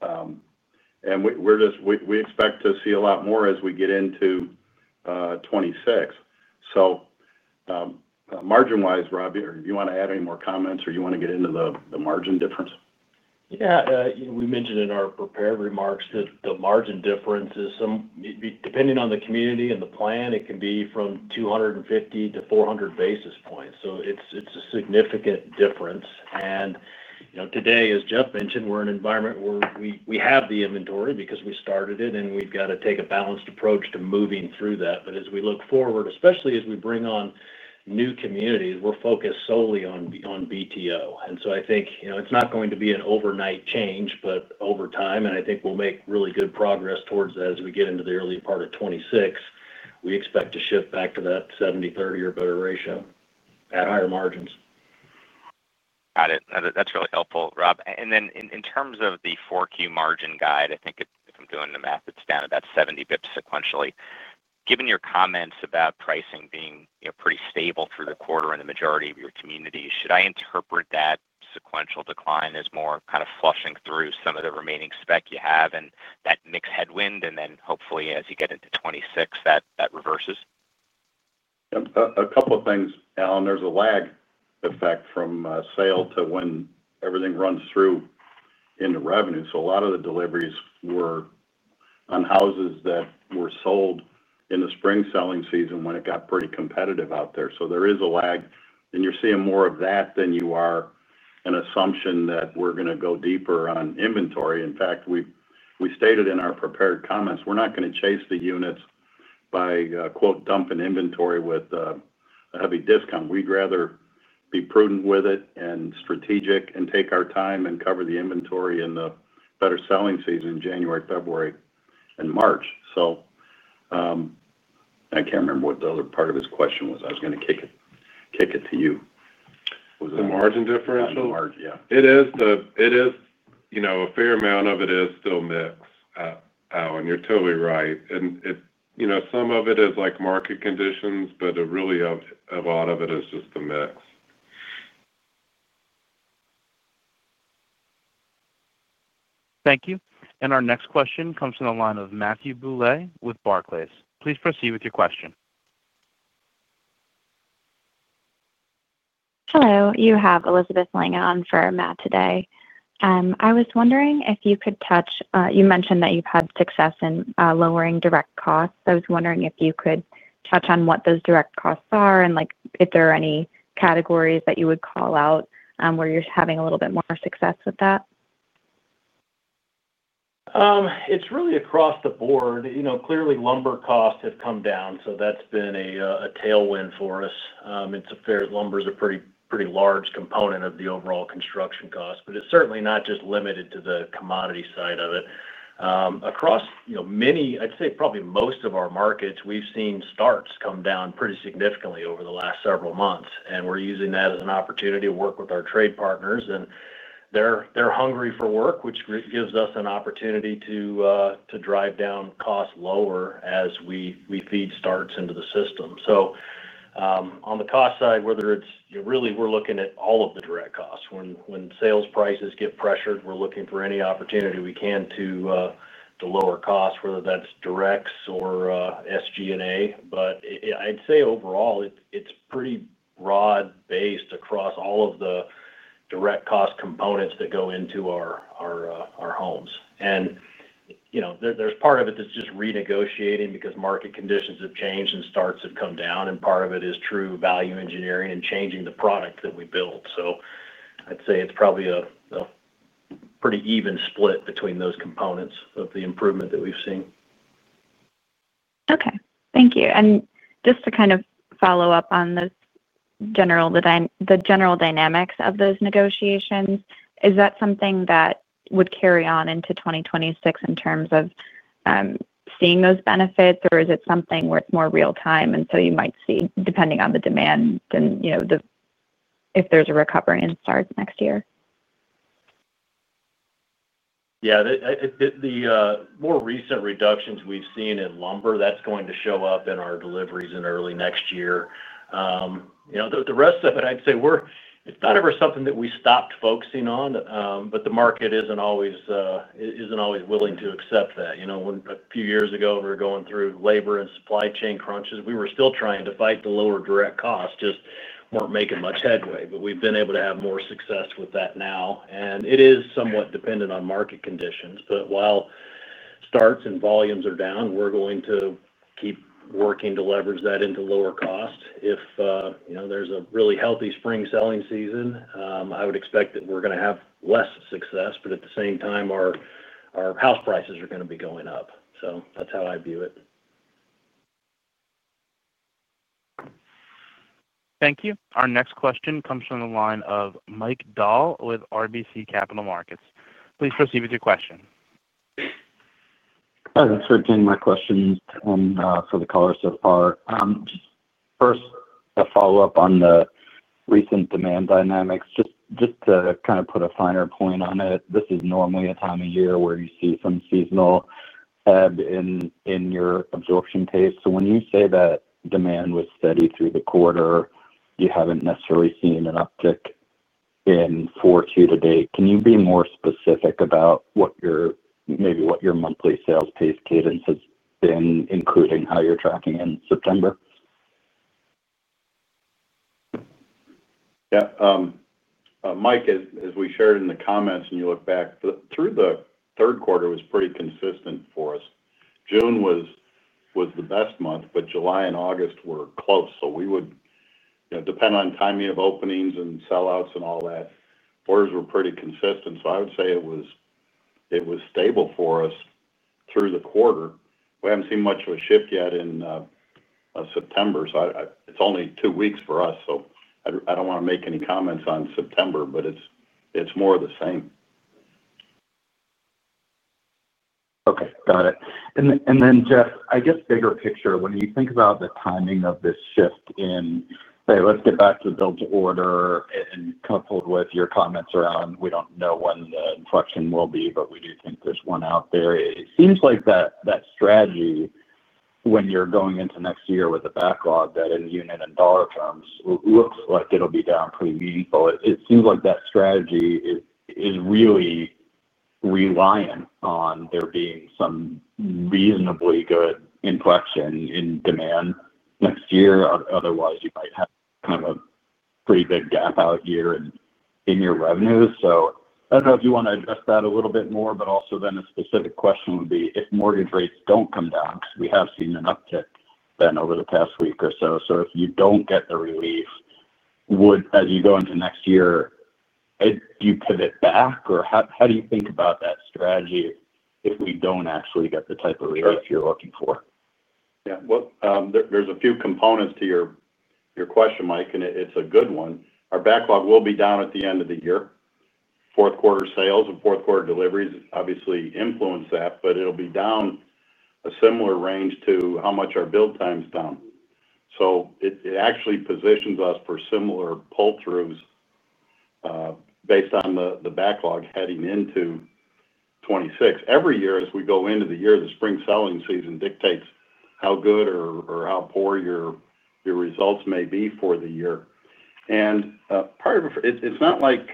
We expect to see a lot more as we get into 2026. Margin-wise, Rob, do you want to add any more comments or do you want to get into the margin difference? Yeah, we mentioned in our prepared remarks that the margin difference is some, depending on the community and the plan, it can be from 250 basis points-400 basis points. It is a significant difference. You know, today, as Jeff mentioned, we're in an environment where we have the inventory because we started it, and we've got to take a balanced approach to moving through that. As we look forward, especially as we bring on new communities, we're focused solely on BTO. I think, you know, it's not going to be an overnight change, but over time, and I think we'll make really good progress towards that as we get into the early part of 2026. We expect to shift back to that 70/30 or better ratio at higher margins. Got it. That's really helpful, Rob. In terms of the 4Q margin guide, I think if I'm doing the math, it's down about 70 basis points sequentially. Given your comments about pricing being pretty stable through the quarter in the majority of your communities, should I interpret that sequential decline as more kind of flushing through some of the remaining spec you have and that mixed headwind, and then hopefully as you get into 2026, that reverses? A couple of things, Alan. There's a lag effect from sale to when everything runs through into revenue. A lot of the deliveries were on houses that were sold in the spring selling season when it got pretty competitive out there. There is a lag, and you're seeing more of that than you are an assumption that we're going to go deeper on inventory. In fact, we stated in our prepared comments, we're not going to chase the units by, quote, dumping inventory with a heavy discount. We'd rather be prudent with it and strategic and take our time and cover the inventory in the better selling season, January, February, and March. I can't remember what the other part of his question was. I was going to kick it to you. The margin difference? Yeah, it is, you know, a fair amount of it is still mix, Alan. You're totally right. Some of it is like market conditions, but really a lot of it is just the mix. Thank you. Our next question comes from the line of Matthew Bouley with Barclays. Please proceed with your question. Hello, you have Elizabeth Langan on for Matt today. I was wondering if you could touch, you mentioned that you've had success in lowering direct costs. I was wondering if you could touch on what those direct costs are and if there are any categories that you would call out where you're having a little bit more success with that. It's really across the board. You know, clearly lumber costs have come down, so that's been a tailwind for us. Lumber is a pretty large component of the overall construction cost, but it's certainly not just limited to the commodity side of it. Across, you know, many, I'd say probably most of our markets, we've seen starts come down pretty significantly over the last several months, and we're using that as an opportunity to work with our trade partners, and they're hungry for work, which gives us an opportunity to drive down costs lower as we feed starts into the system. On the cost side, whether it's, you know, really we're looking at all of the direct costs. When sales prices get pressured, we're looking for any opportunity we can to lower costs, whether that's directs or SG&A. I'd say overall, it's pretty broad-based across all of the direct cost components that go into our homes. There's part of it that's just renegotiating because market conditions have changed and starts have come down, and part of it is true value engineering and changing the product that we build. I'd say it's probably a pretty even split between those components of the improvement that we've seen. Thank you. Just to kind of follow up on the general dynamics of those negotiations, is that something that would carry on into 2026 in terms of seeing those benefits, or is it something where it's more real-time and you might see depending on the demand and, you know, if there's a recovery in starts next year? Yeah, the more recent reductions we've seen in lumber, that's going to show up in our deliveries in early next year. The rest of it, I'd say we're, it's not ever something that we stopped focusing on, but the market isn't always willing to accept that. A few years ago we were going through labor and supply chain crunches, we were still trying to fight the lower direct costs, just weren't making much headway. We've been able to have more success with that now. It is somewhat dependent on market conditions. While starts and volumes are down, we're going to keep working to leverage that into lower costs. If there's a really healthy spring selling season, I would expect that we're going to have less success. At the same time, our house prices are going to be going up. That's how I view it. Thank you. Our next question comes from the line of Michael Dahl with RBC Capital Markets. Please proceed with your question. Hi, that's my question for the callers so far. Just first, a follow-up on the recent demand dynamics. Just to kind of put a finer point on it, this is normally a time of year where you see some seasonal ebb in your absorption pace. When you say that demand was steady through the quarter, you haven't necessarily seen an uptick in 4Q to date. Can you be more specific about what your, maybe what your monthly sales pace cadence has been, including how you're tracking in September? Yeah. Mike, as we shared in the comments and you look back through the third quarter, it was pretty consistent for us. June was the best month, but July and August were close. We would, depending on timing of openings and sellouts and all that, orders were pretty consistent. I would say it was stable for us through the quarter. We haven't seen much of a shift yet in September. It's only two weeks for us. I don't want to make any comments on September, but it's more of the same. Okay. Got it. Jeff, I guess bigger picture, when you think about the timing of this shift in, say, let's get back to the built-to-order and coupled with your comments around, we don't know when the inflection will be, but we do think there's one out there. It seems like that strategy, when you're going into next year with a backlog that in unit and dollar terms looks like it'll be down pretty meaningful, it seems like that strategy is really reliant on there being some reasonably good inflection in demand next year. Otherwise, you might have kind of a pretty big gap out year in your revenue. I don't know if you want to address that a little bit more, but also then a specific question would be if mortgage rates don't come down, because we have seen an uptick over the past week or so. If you don't get a relief, would, as you go into next year, do you pivot back or how do you think about that strategy if we don't actually get the type of relief you're looking for? Yeah. There are a few components to your question, Mike, and it's a good one. Our backlog will be down at the end of the year. Fourth quarter sales and fourth quarter deliveries obviously influence that, but it'll be down a similar range to how much our build time's down. It actually positions us for similar pull-throughs based on the backlog heading into 2026. Every year as we go into the year, the spring selling season dictates how good or how poor your results may be for the year. Part of it's not like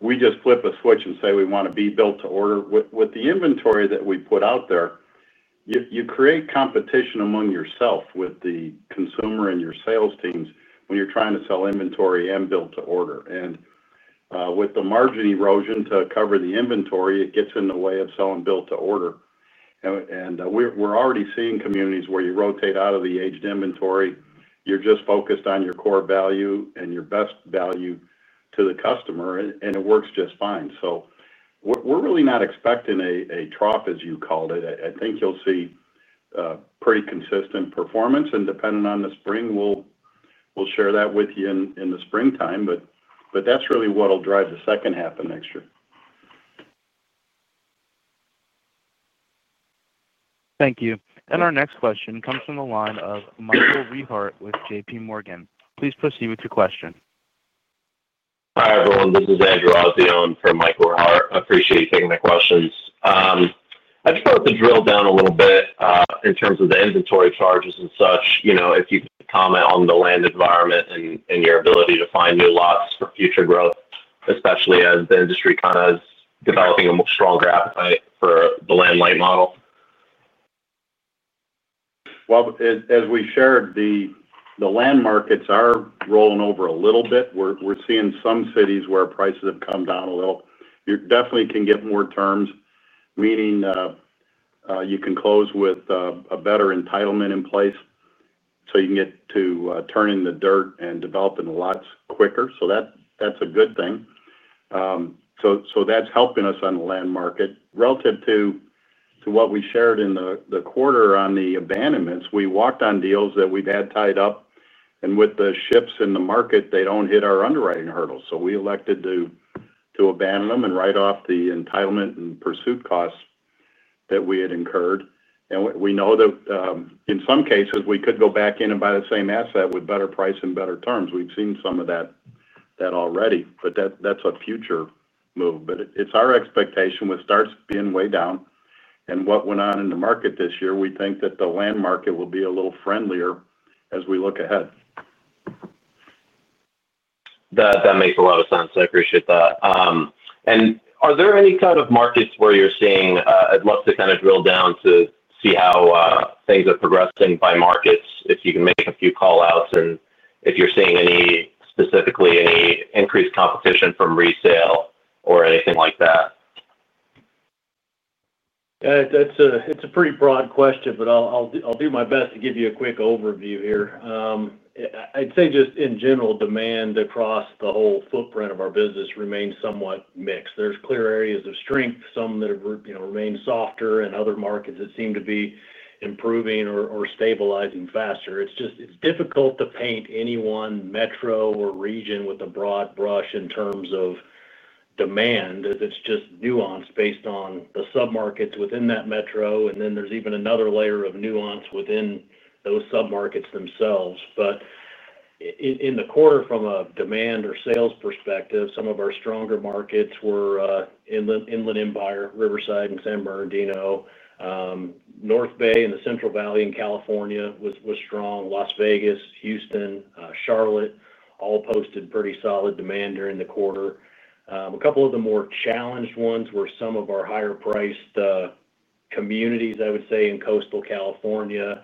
we just flip a switch and say we want to be built to order. With the inventory that we put out there, you create competition among yourself with the consumer and your sales teams when you're trying to sell inventory and built to order. With the margin erosion to cover the inventory, it gets in the way of selling built to order. We're already seeing communities where you rotate out of the aged inventory. You're just focused on your core value and your best value to the customer, and it works just fine. We're really not expecting a trough, as you called it. I think you'll see pretty consistent performance, and depending on the spring, we'll share that with you in the springtime. That's really what'll drive the second half of next year. Thank you. Our next question comes from the line of Michael Rehaut with JPMorgan. Please proceed with your question. Hi, everyone. This is Andrew Aldion for Michael Rehaut. I appreciate you taking my questions. I just wanted to drill down a little bit in terms of the inventory charges and such. If you could comment on the land environment and your ability to find new lots for future growth, especially as the industry is developing a stronger appetite for the land-light model. As we shared, the land markets are rolling over a little bit. We're seeing some cities where prices have come down a little. You definitely can get more terms, meaning you can close with a better entitlement in place. You can get to turning the dirt and developing the lots quicker, which is a good thing. That's helping us on the land market. Relative to what we shared in the quarter on the abandonments, we walked on deals that we've had tied up. With the shifts in the market, they don't hit our underwriting hurdles. We elected to abandon them and write off the entitlement and pursuit costs that we had incurred. We know that in some cases, we could go back in and buy the same asset with better price and better terms. We've seen some of that already, but that's a future move. It's our expectation with starts being way down and what went on in the market this year, we think that the land market will be a little friendlier as we look ahead. That makes a lot of sense. I appreciate that. Are there any kind of markets where you're seeing, I'd love to kind of drill down to see how things are progressing by markets, if you can make a few callouts, and if you're seeing specifically any increased competition from resale or anything like that? Yeah, it's a pretty broad question, but I'll do my best to give you a quick overview here. I'd say just in general, demand across the whole footprint of our business remains somewhat mixed. There's clear areas of strength, some that have remained softer, and other markets that seem to be improving or stabilizing faster. It's difficult to paint any one metro or region with a broad brush in terms of demand as it's just nuanced based on the submarkets within that metro. Then there's even another layer of nuance within those submarkets themselves. In the quarter, from a demand or sales perspective, some of our stronger markets were Inland Empire, Riverside, and San Bernardino. North Bay and the Central Valley in California were strong. Las Vegas, Houston, Charlotte, all posted pretty solid demand during the quarter. A couple of the more challenged ones were some of our higher-priced communities, I would say, in coastal California.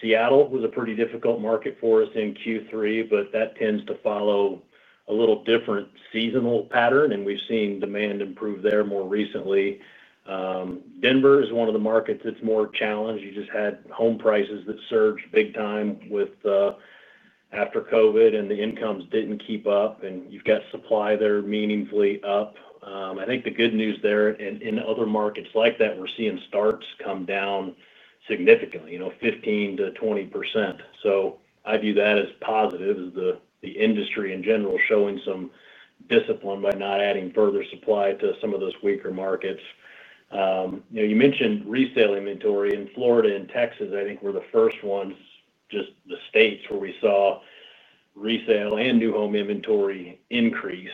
Seattle was a pretty difficult market for us in Q3, but that tends to follow a little different seasonal pattern, and we've seen demand improve there more recently. Denver is one of the markets that's more challenged. You just had home prices that surged big time after COVID, and the incomes didn't keep up, and you've got supply there meaningfully up. I think the good news there, and in other markets like that, we're seeing starts come down significantly, you know, 15%-20%. I view that as positive, as the industry in general is showing some discipline by not adding further supply to some of those weaker markets. You mentioned resale inventory in Florida and Texas, I think, were the first ones, just the states where we saw resale and new home inventory increase.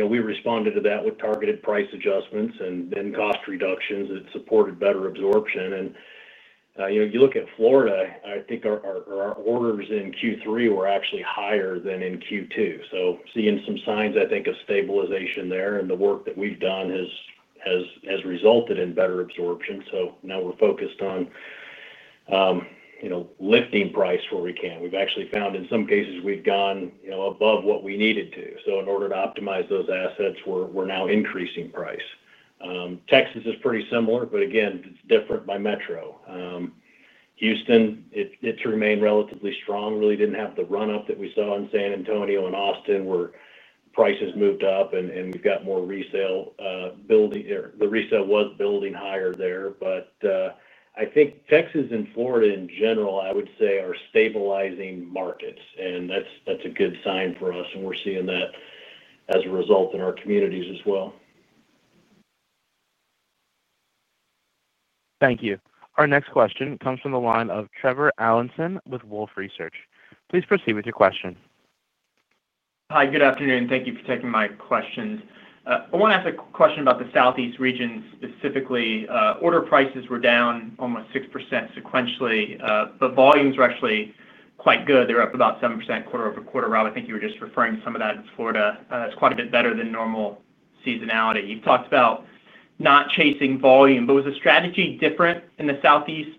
We responded to that with targeted price adjustments and then cost reductions that supported better absorption. You look at Florida, I think our orders in Q3 were actually higher than in Q2. Seeing some signs, I think, of stabilization there, and the work that we've done has resulted in better absorption. Now we're focused on lifting price where we can. We've actually found in some cases we've gone above what we needed to. In order to optimize those assets, we're now increasing price. Texas is pretty similar, but again, it's different by metro. Houston remained relatively strong, really didn't have the run-up that we saw in San Antonio and Austin where prices moved up and we've got more resale. The resale was building higher there, but I think Texas and Florida in general, I would say, are stabilizing markets, and that's a good sign for us. We're seeing that as a result in our communities as well. Thank you. Our next question comes from the line of Trevor Allinson with Wolfe Research. Please proceed with your question. Hi, good afternoon. Thank you for taking my questions. I want to ask a question about the Southeast region specifically. Order prices were down almost 6% sequentially, but volumes were actually quite good. They were up about 7% quarter-over-quarter. Rob, I think you were just referring to some of that in Florida. That's quite a bit better than normal seasonality. You've talked about not chasing volume, was the strategy different in the Southeast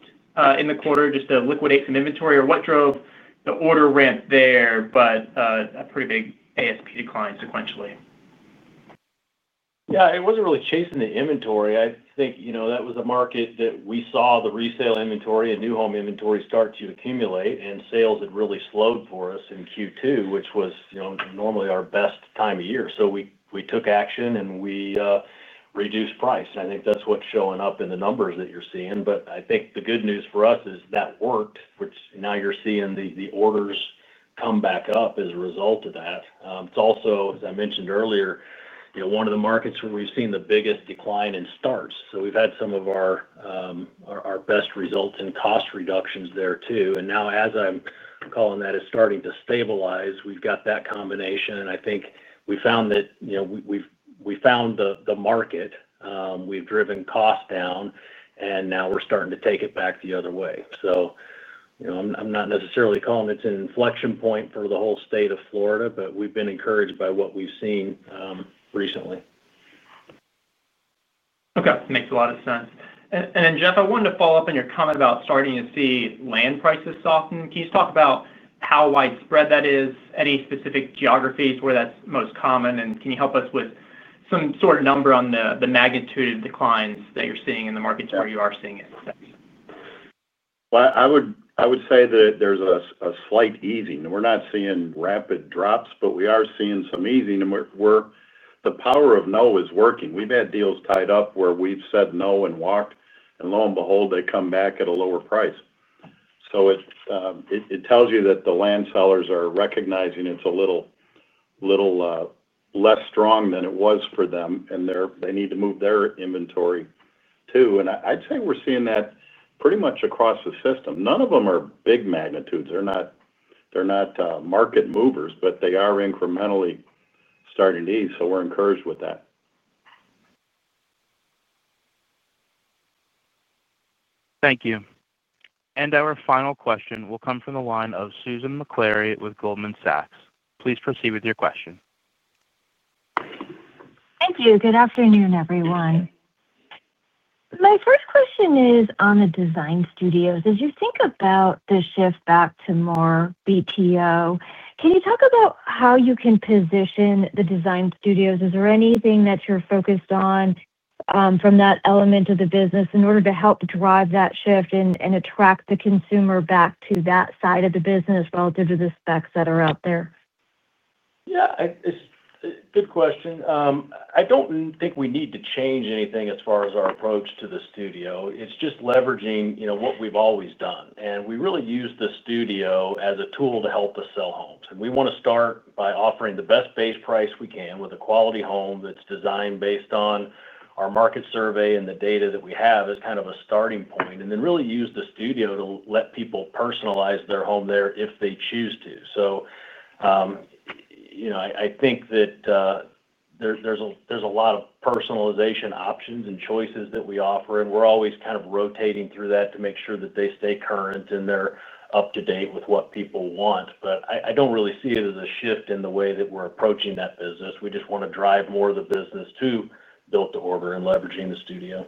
in the quarter just to liquidate some inventory or what drove the order ramp there, but a pretty big ASP decline sequentially? It wasn't really chasing the inventory. I think that was a market that we saw the resale inventory and new home inventory start to accumulate, and sales had really slowed for us in Q2, which was normally our best time of year. We took action and we reduced price. I think that's what's showing up in the numbers that you're seeing. The good news for us is that worked, which now you're seeing the orders come back up as a result of that. It's also, as I mentioned earlier, one of the markets where we've seen the biggest decline in starts. We've had some of our best results in cost reductions there too. Now, as I'm calling that, it's starting to stabilize. We've got that combination. I think we found that, we found the market. We've driven costs down, and now we're starting to take it back the other way. I'm not necessarily calling it an inflection point for the whole state of Florida, but we've been encouraged by what we've seen recently. Okay, makes a lot of sense. Jeff, I wanted to follow up on your comment about starting to see land prices soften. Can you just talk about how widespread that is, any specific geographies where that's most common, and can you help us with some sort of number on the magnitude of declines that you're seeing in the markets where you are seeing it? There is a slight easing. We're not seeing rapid drops, but we are seeing some easing. The power of no is working. We've had deals tied up where we've said no and walked, and lo and behold, they come back at a lower price. It tells you that the land sellers are recognizing it's a little less strong than it was for them, and they need to move their inventory too. I'd say we're seeing that pretty much across the system. None of them are big magnitudes. They're not market movers, but they are incrementally starting to ease. We're encouraged with that. Thank you. Our final question will come from the line of Susan Maklari with Goldman Sachs. Please proceed with your question. Thank you. Good afternoon, everyone. My first question is on the design studios. As you think about the shift back to more BTO, can you talk about how you can position the design studios? Is there anything that you're focused on from that element of the business in order to help drive that shift and attract the consumer back to that side of the business relative to the specs that are out there? Yeah, it's a good question. I don't think we need to change anything as far as our approach to the studio. It's just leveraging what we've always done. We really use the studio as a tool to help us sell homes. We want to start by offering the best base price we can with a quality home that's designed based on our market survey and the data that we have as kind of a starting point. We really use the studio to let people personalize their home there if they choose to. I think that there's a lot of personalization options and choices that we offer, and we're always kind of rotating through that to make sure that they stay current and they're up to date with what people want. I don't really see it as a shift in the way that we're approaching that business. We just want to drive more of the business to built-to-order and leveraging the studio.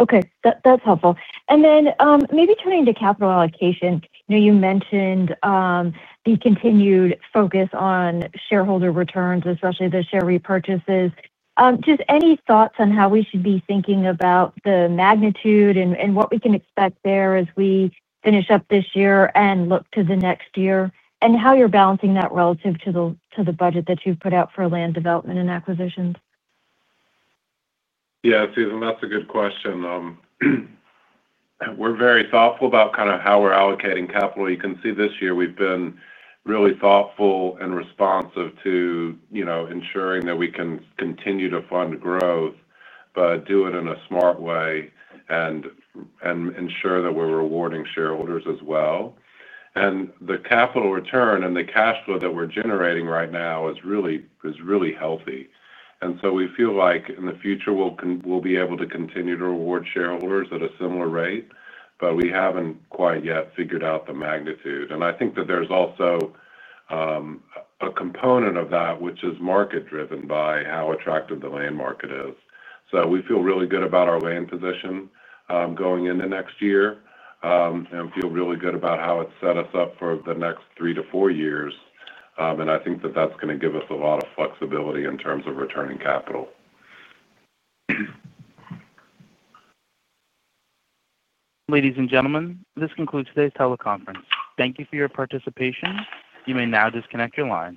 Okay. That's helpful. Maybe turning to capital allocation, you mentioned the continued focus on shareholder returns, especially the share repurchases. Just any thoughts on how we should be thinking about the magnitude and what we can expect there as we finish up this year and look to the next year and how you're balancing that relative to the budget that you've put out for land development and acquisitions? Yeah, Susan, that's a good question. We're very thoughtful about kind of how we're allocating capital. You can see this year we've been really thoughtful and responsive to, you know, ensuring that we can continue to fund growth, but do it in a smart way and ensure that we're rewarding shareholders as well. The capital return and the cash flow that we're generating right now is really healthy. We feel like in the future we'll be able to continue to reward shareholders at a similar rate, but we haven't quite yet figured out the magnitude. I think that there's also a component of that, which is market-driven by how attractive the land market is. We feel really good about our land position going into next year and feel really good about how it's set us up for the next three to four years. I think that that's going to give us a lot of flexibility in terms of returning capital. Ladies and gentlemen, this concludes today's teleconference. Thank you for your participation. You may now disconnect your lines.